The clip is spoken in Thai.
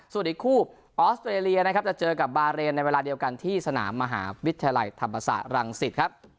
ส่วนอีกคู่ออสเตรเลียนะครับจะเจอกับบาเรนในเวลาเดียวกันที่สนามมหาวิทยาลัยธรรมศาสตร์รังสิตครับ